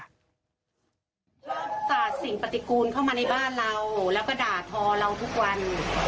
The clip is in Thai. ฝากสิ่งปฏิกูลเข้ามาในบ้านเราแล้วก็ด่าทอเราทุกวัน